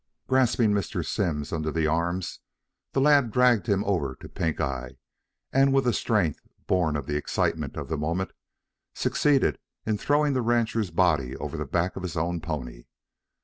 Grasping Mr. Simms under the arms, the lad dragged him over to Pink eye, and with a strength born of the excitement of the moment, succeeded in throwing the rancher's body over the back of his own pony.